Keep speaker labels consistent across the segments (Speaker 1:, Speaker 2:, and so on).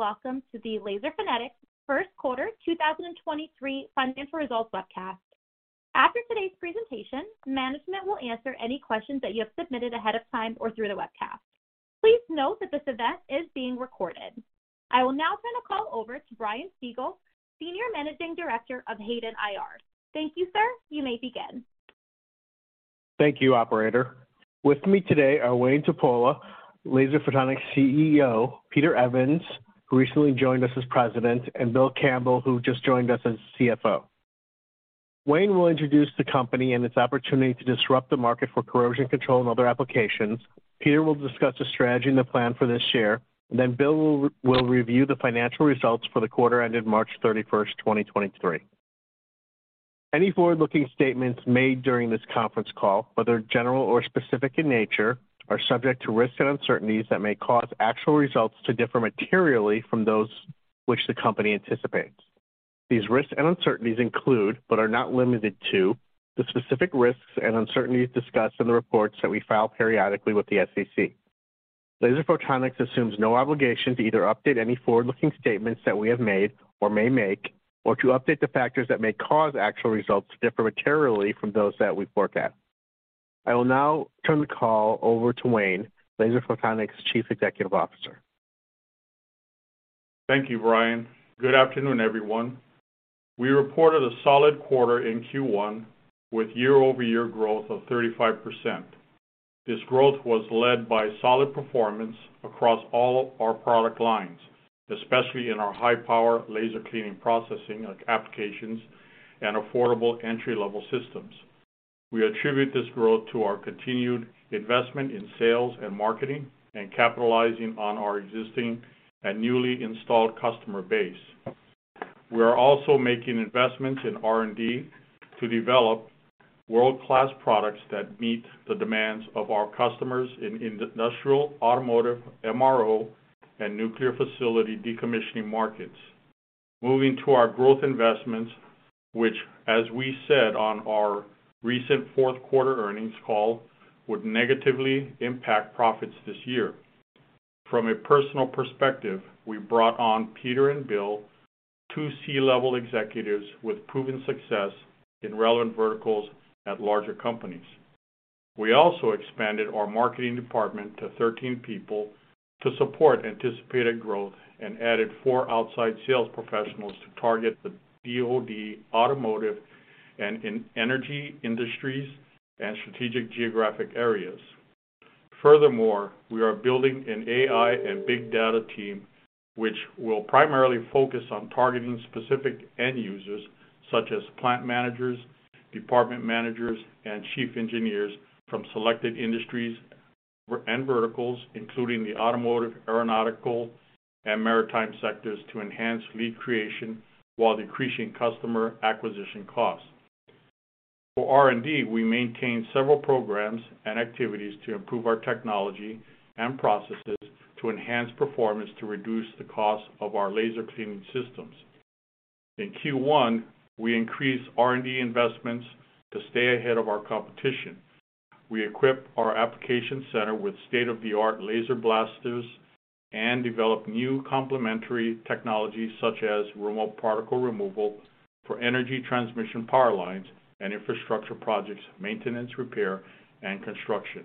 Speaker 1: Good morning. Welcome to the Laser Photonics First Quarter 2023 Financial Results webcast. After today's presentation, management will answer any questions that you have submitted ahead of time or through the webcast. Please note that this event is being recorded. I will now turn the call over to Brian Siegel, Senior Managing Director of Hayden IR. Thank you, sir. You may begin.
Speaker 2: Thank you, operator. With me today are Wayne Tupuola, Laser Photonics CEO, Peter Evans, who recently joined us as President, and Bill Campbell, who just joined us as CFO. Wayne will introduce the company and its opportunity to disrupt the market for corrosion control and other applications. Peter will discuss the strategy and the plan for this year. Bill will review the financial results for the quarter ended March 31st, 2023. Any forward-looking statements made during this conference call, whether general or specific in nature, are subject to risks and uncertainties that may cause actual results to differ materially from those which the company anticipates. These risks and uncertainties include, but are not limited to, the specific risks and uncertainties discussed in the reports that we file periodically with the SEC. Laser Photonics assumes no obligation to either update any forward-looking statements that we have made or may make, or to update the factors that may cause actual results to differ materially from those that we forecast. I will now turn the call over to Wayne, Laser Photonics' Chief Executive Officer.
Speaker 3: Thank you, Brian. Good afternoon, everyone. We reported a solid quarter in Q1 with year-over-year growth of 35%. This growth was led by solid performance across all our product lines, especially in our high-power laser cleaning processing applications and affordable entry-level systems. We attribute this growth to our continued investment in sales and marketing and capitalizing on our existing and newly installed customer base. We are also making investments in R&D to develop world-class products that meet the demands of our customers in industrial, automotive, MRO, and nuclear facility decommissioning markets. Moving to our growth investments, which, as we said on our recent fourth quarter earnings call, would negatively impact profits this year. From a personal perspective, we brought on Peter and Bill, two C-level executives with proven success in relevant verticals at larger companies. We also expanded our marketing department to 13 people to support anticipated growth and added four outside sales professionals to target the DoD, automotive, and energy industries and strategic geographic areas. We are building an AI and big data team which will primarily focus on targeting specific end users such as plant managers, department managers, and chief engineers from selected industries and verticals, including the automotive, aeronautical, and maritime sectors, to enhance lead creation while decreasing customer acquisition costs. For R&D, we maintain several programs and activities to improve our technology and processes to enhance performance to reduce the cost of our laser cleaning systems. In Q1, we increased R&D investments to stay ahead of our competition. We equipped our application center with state-of-the-art Laser Blasters and developed new complementary technologies such as remote particle removal for energy transmission power lines and infrastructure projects, maintenance, repair, and construction.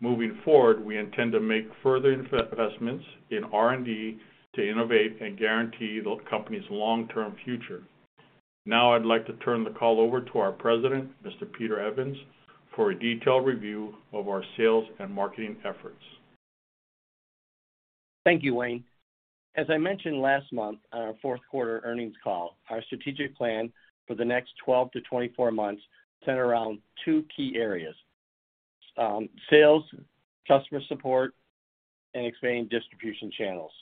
Speaker 3: Moving forward, we intend to make further investments in R&D to innovate and guarantee the company's long-term future. I'd like to turn the call over to our President, Mr. Peter Evans, for a detailed review of our sales and marketing efforts.
Speaker 4: Thank you, Wayne. As I mentioned last month on our fourth quarter earnings call, our strategic plan for the next 12 to 24 months center around 2 key areas: sales, customer support, and expanding distribution channels.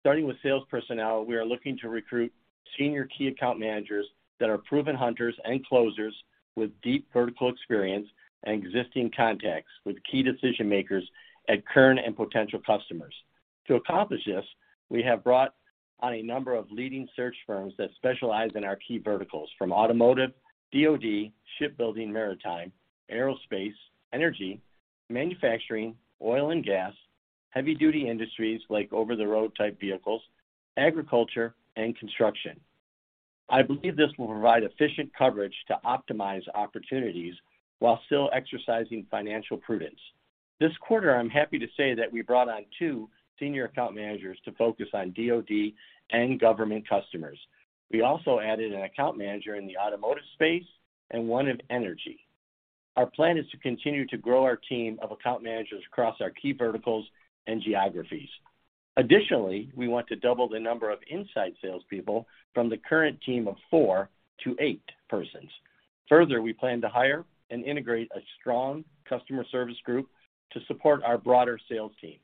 Speaker 4: Starting with sales personnel, we are looking to recruit senior key account managers that are proven hunters and closers with deep vertical experience and existing contacts with key decision-makers at current and potential customers. To accomplish this, we have brought on a number of leading search firms that specialize in our key verticals from automotive, DoD, shipbuilding, maritime, aerospace, energy, manufacturing, oil and gas, heavy-duty industries like over-the-road type vehicles, agriculture, and construction. I believe this will provide efficient coverage to optimize opportunities while still exercising financial prudence. This quarter, I'm happy to say that we brought on 2 senior account managers to focus on DoD and government customers. We also added an account manager in the automotive space and one in energy. Our plan is to continue to grow our team of account managers across our key verticals and geographies. We want to double the number of inside salespeople from the current team of 4 to 8 persons. We plan to hire and integrate a strong customer service group to support our broader sales team.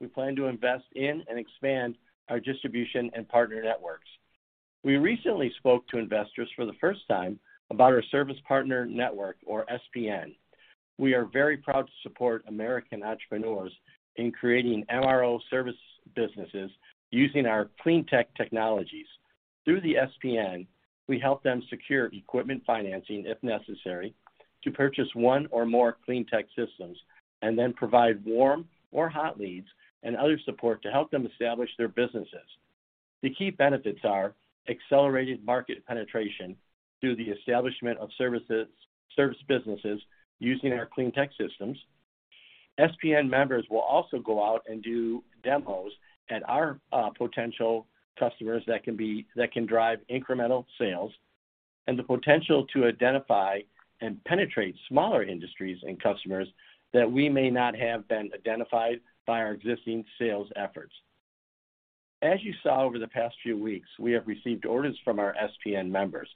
Speaker 4: We plan to invest in and expand our distribution and partner networks. We recently spoke to investors for the first time about our Service Partner Network or SPN. We are very proud to support American entrepreneurs in creating MRO service businesses using our CleanTech technologies. Through the SPN, we help them secure equipment financing, if necessary, to purchase one or more CleanTech systems and then provide warm or hot leads and other support to help them establish their businesses. The key benefits are accelerated market penetration through the establishment of service businesses using our CleanTech systems. SPN members will also go out and do demos at our potential customers that can drive incremental sales and the potential to identify and penetrate smaller industries and customers that we may not have been identified by our existing sales efforts. As you saw over the past few weeks, we have received orders from our SPN members.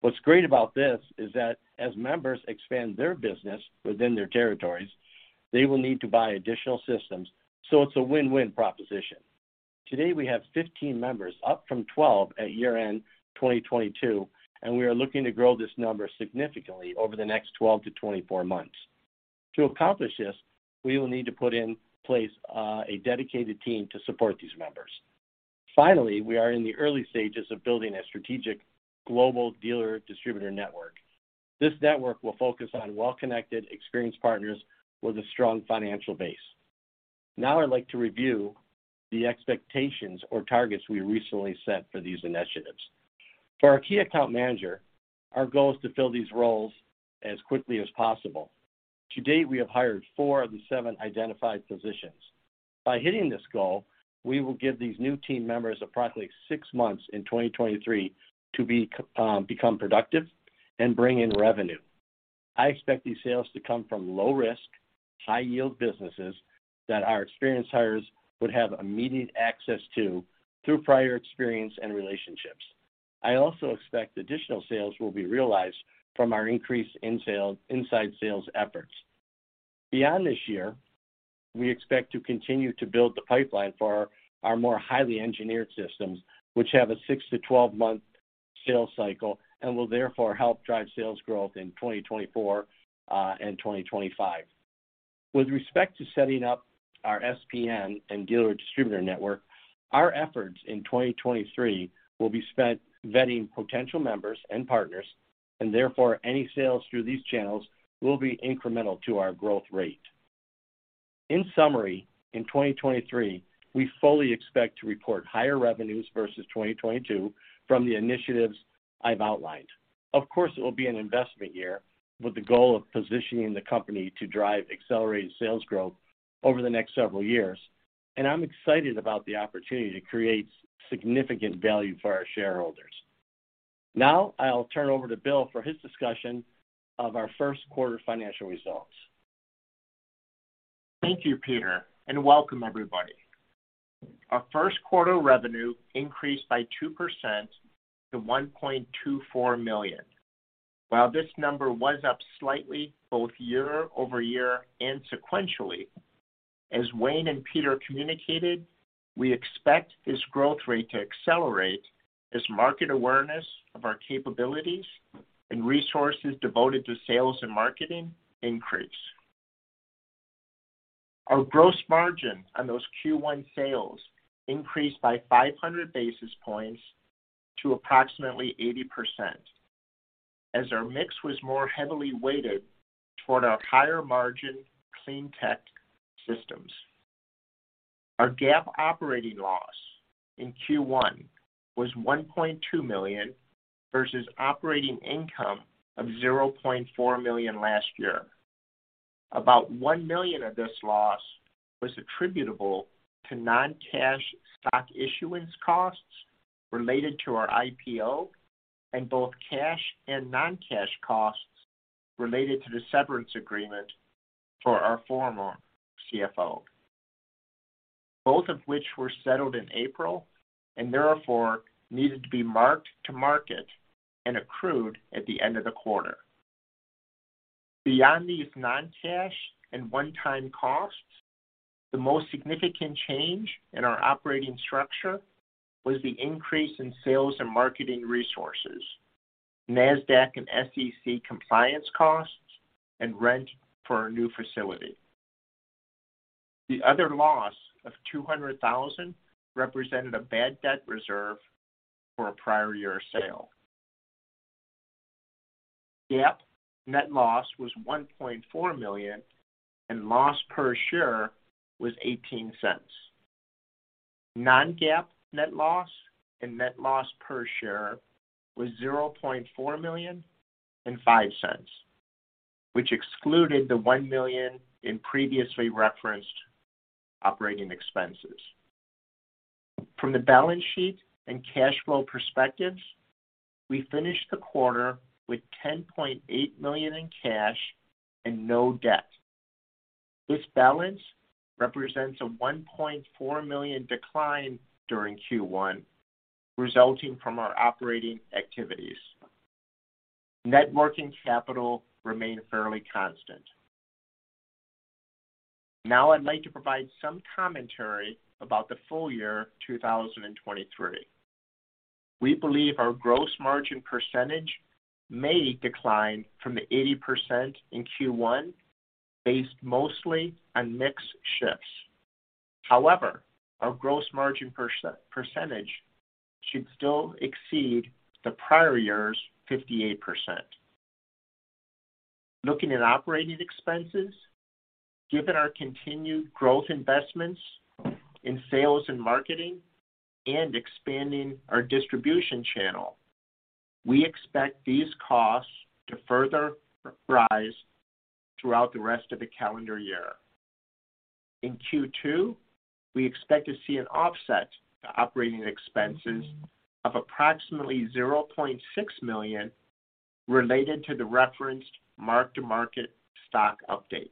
Speaker 4: What's great about this is that as members expand their business within their territories, they will need to buy additional systems. It's a win-win proposition. Today, we have 15 members, up from 12 at year-end 2022, and we are looking to grow this number significantly over the next 12-24 months. To accomplish this, we will need to put in place, a dedicated team to support these members. We are in the early stages of building a strategic global dealer distributor network. This network will focus on well-connected, experienced partners with a strong financial base. I'd like to review the expectations or targets we recently set for these initiatives. For our key account manager, our goal is to fill these roles as quickly as possible. To date, we have hired 4 of the 7 identified positions. By hitting this goal, we will give these new team members approximately 6 months in 2023 to be productive and bring in revenue. I expect these sales to come from low risk, high yield businesses that our experienced hires would have immediate access to through prior experience and relationships. I also expect additional sales will be realized from our increase in inside sales efforts. Beyond this year, we expect to continue to build the pipeline for our more highly engineered systems, which have a 6-12-month sales cycle and will therefore help drive sales growth in 2024 and 2025. With respect to setting up our SPN and dealer distributor network, our efforts in 2023 will be spent vetting potential members and partners, and therefore, any sales through these channels will be incremental to our growth rate. In summary, in 2023, we fully expect to report higher revenues versus 2022 from the initiatives I've outlined. Of course, it will be an investment year with the goal of positioning the company to drive accelerated sales growth over the next several years, and I'm excited about the opportunity to create significant value for our shareholders. Now, I'll turn over to Bill for his discussion of our first quarter financial results.
Speaker 5: Thank you, Peter, and welcome everybody. Our first quarter revenue increased by 2% to $1.24 million. While this number was up slightly, both year-over-year and sequentially, as Wayne and Peter communicated, we expect this growth rate to accelerate as market awareness of our capabilities and resources devoted to sales and marketing increase. Our gross margin on those Q1 sales increased by 500 basis points to approximately 80% as our mix was more heavily weighted toward our higher margin CleanTech systems. Our GAAP operating loss in Q1 was $1.2 million versus operating income of $0.4 million last year. About $1 million of this loss was attributable to non-cash stock issuance costs related to our IPO and both cash and non-cash costs related to the severance agreement for our former CFO, both of which were settled in April and therefore needed to be mark to market and accrued at the end of the quarter. Beyond these non-cash and one-time costs, the most significant change in our operating structure was the increase in sales and marketing resources, Nasdaq and SEC compliance costs, and rent for our new facility. The other loss of $200,000 represented a bad debt reserve for a prior year sale. GAAP net loss was $1.4 million, and loss per share was $0.18. Non-GAAP net loss and net loss per share was $0.4 million and $0.05, which excluded the $1 million in previously referenced operating expenses. From the balance sheet and cash flow perspectives, we finished the quarter with $10.8 million in cash and no debt. This balance represents a $1.4 million decline during Q1, resulting from our operating activities. Net working capital remained fairly constant. Now, I'd like to provide some commentary about the full year 2023. We believe our gross margin percentage may decline from the 80% in Q1 based mostly on mix shifts. However, our gross margin percentage should still exceed the prior year's 58%. Looking at operating expenses, given our continued growth investments in sales and marketing and expanding our distribution channel, we expect these costs to further rise throughout the rest of the calendar year. In Q2, we expect to see an offset to operating expenses of approximately $0.6 million related to the referenced mark-to-market stock update.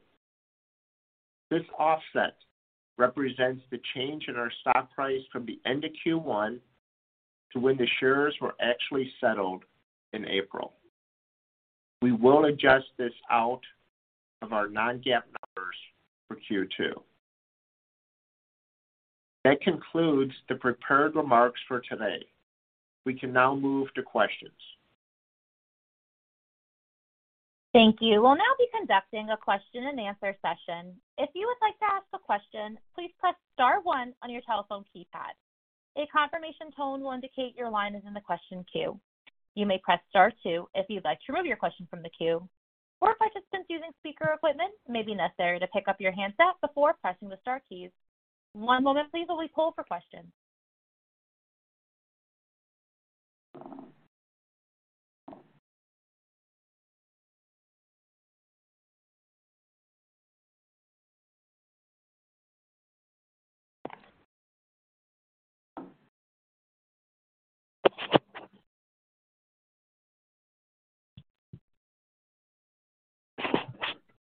Speaker 5: This offset represents the change in our stock price from the end of Q1 to when the shares were actually settled in April. We will adjust this out of our non-GAAP numbers for Q2. That concludes the prepared remarks for today. We can now move to questions.
Speaker 1: Thank you. We'll now be conducting a question and answer session. If you would like to ask a question, please press star one on your telephone keypad. A confirmation tone will indicate your line is in the question queue. You may press star two if you'd like to remove your question from the queue, or participants using speaker equipment, it may be necessary to pick up your handset before pressing the star keys. One moment please while we poll for questions.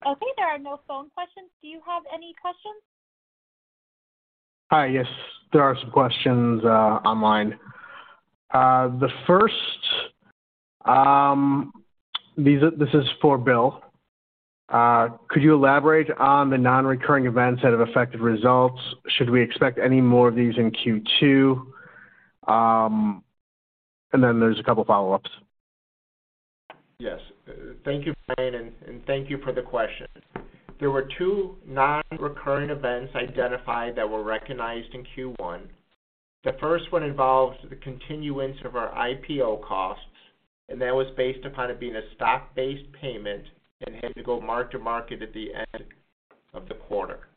Speaker 1: Okay, there are no phone questions. Do you have any questions?
Speaker 2: Hi. Yes, there are some questions, online. The first, this is for Bill. Could you elaborate on the non-recurring events that have affected results? Should we expect any more of these in Q2? There's a couple follow-ups.
Speaker 5: Yes. Thank you, Brian, and thank you for the question. There were two non-recurring events identified that were recognized in Q1. The first one involves the continuance of our IPO costs, and that was based upon it being a stock-based payment and had to go mark to market at the end of the quarter.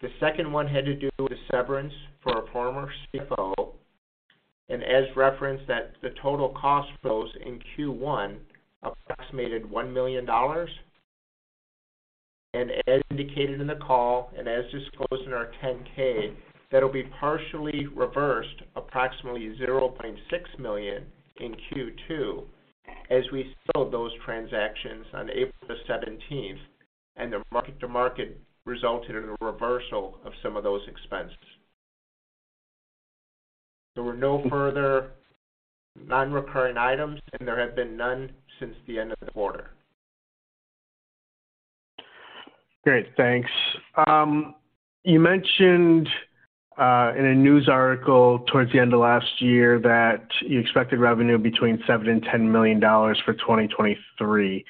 Speaker 5: The second one had to do with severance for a former CFO and as referenced that the total cost for those in Q1 approximated $1 million. As indicated in the call and as disclosed in our 10-K, that'll be partially reversed approximately $0.6 million in Q2 as we settled those transactions on April 17th, and the mark to market resulted in a reversal of some of those expenses. There were no further non-recurring items, and there have been none since the end of the quarter.
Speaker 2: Great. Thanks. You mentioned in a news article towards the end of last year that you expected revenue between $7 million and $10 million for 2023.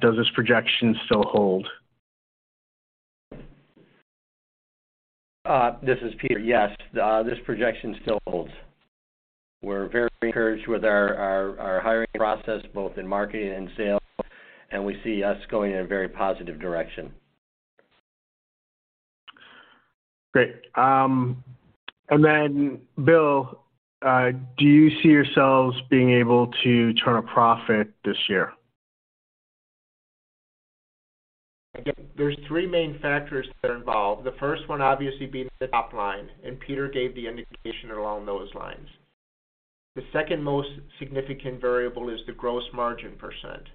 Speaker 2: Does this projection still hold?
Speaker 4: This is Peter. Yes. This projection still holds. We're very encouraged with our hiring process both in marketing and sales, and we see us going in a very positive direction.
Speaker 2: Great. Bill, do you see yourselves being able to turn a profit this year?
Speaker 5: Again, there's 3 main factors that are involved. The 1 obviously being the top line, and Peter gave the indication along those lines. The second most significant variable is the gross margin percent.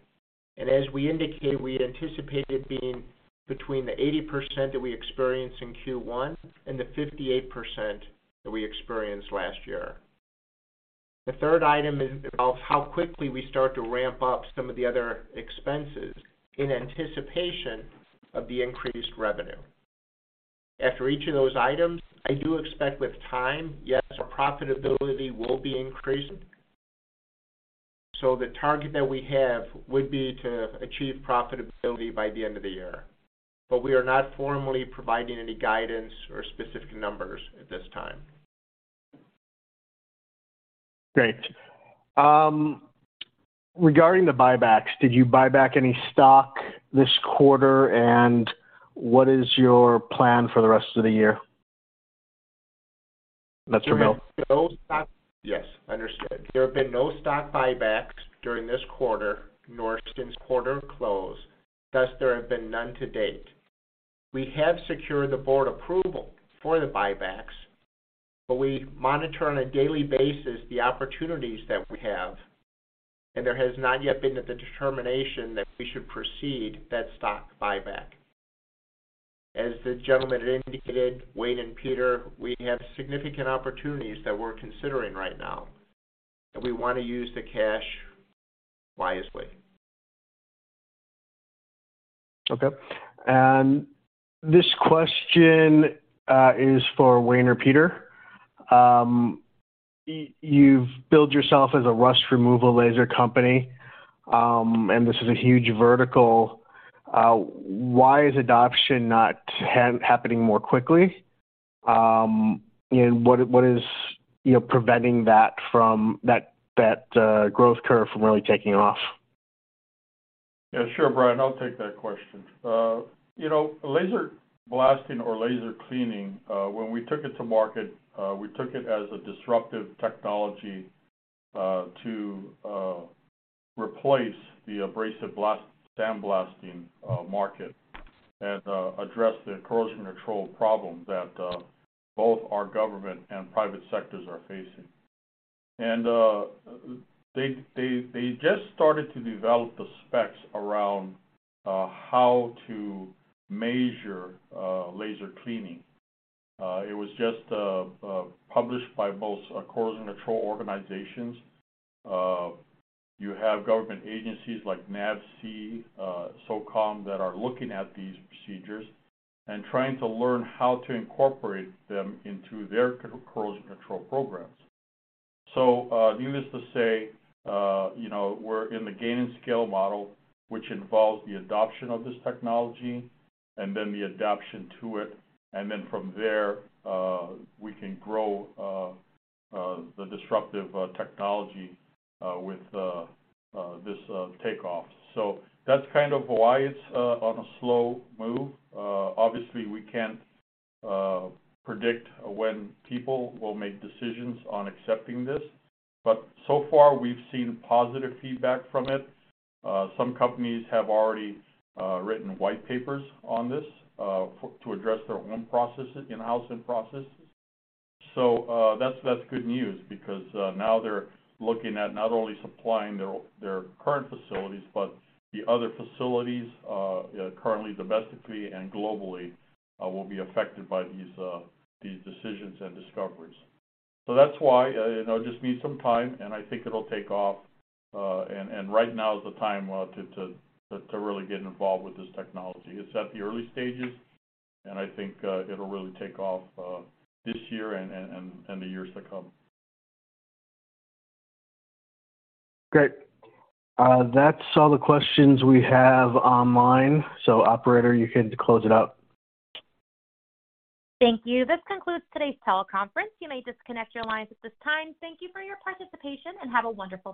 Speaker 5: As we indicated, we anticipated being between the 80% that we experienced in Q1 and the 58% that we experienced last year. The third item involves how quickly we start to ramp up some of the other expenses in anticipation of the increased revenue. After each of those items, I do expect with time, yes, our profitability will be increasing. The target that we have would be to achieve profitability by the end of the year, but we are not formally providing any guidance or specific numbers at this time.
Speaker 2: Great. Regarding the buybacks, did you buy back any stock this quarter? What is your plan for the rest of the year? That's for Bill.
Speaker 5: Yes, understood. There have been no stock buybacks during this quarter, nor since quarter close. Thus, there have been none to date. We have secured the board approval for the buybacks, but we monitor on a daily basis the opportunities that we have. There has not yet been the determination that we should proceed that stock buyback. As the gentleman had indicated, Wayne and Peter, we have significant opportunities that we're considering right now, and we want to use the cash wisely.
Speaker 2: Okay. This question is for Wayne or Peter. You've built yourself as a rust removal laser company, and this is a huge vertical. Why is adoption not happening more quickly? What is, you know, preventing that from that growth curve from really taking off?
Speaker 3: Yeah, sure, Brian, I'll take that question. You know, laser blasting or laser cleaning, when we took it to market, we took it as a disruptive technology to replace the abrasive blast, sandblasting, market and address the corrosion control problem that both our government and private sectors are facing. They just started to develop the specs around how to measure laser cleaning. It was just published by both corrosion control organizations. You have government agencies like NAVSEA, SOCOM that are looking at these procedures and trying to learn how to incorporate them into their corrosion control programs. Needless to say, you know, we're in the gain and scale model, which involves the adoption of this technology and then the adaption to it. Then from there, we can grow the disruptive technology with this takeoff. That's kind of why it's on a slow move. Obviously, we can't predict when people will make decisions on accepting this, but so far we've seen positive feedback from it. Some companies have already written white papers on this, to address their own processes, in-house processes. That's good news because now they're looking at not only supplying their current facilities, but the other facilities, currently domestically and globally, will be affected by these decisions and discoveries. That's why, you know, it just needs some time, and I think it'll take off. Right now is the time to really get involved with this technology. It's at the early stages, and I think, it'll really take off, this year and the years to come.
Speaker 2: Great. That's all the questions we have online, so operator, you can close it out.
Speaker 1: Thank you. This concludes today's teleconference. You may disconnect your lines at this time. Thank you for your participation and have a wonderful day.